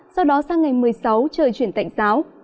sau đó sang ngày một mươi sáu trời chuyển tạnh giáo